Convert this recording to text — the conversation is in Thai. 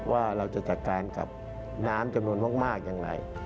ว่าเราจะจัดการกับน้ำจำนวนมากอย่างไร